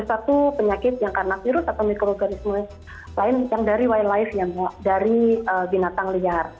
satu penyakit yang karena virus atau mikroorganisme lain yang dari wildlife yang dari binatang liar